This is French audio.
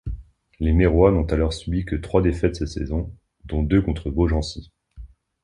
Les Mérois n'ont alors subi que trois défaites cette saison, dont deux contre Beaugency.